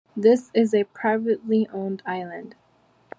This is a privately owned island.